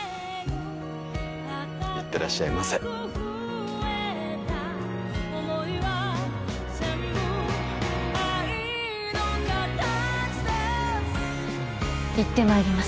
行ってらっしゃいませ行ってまいります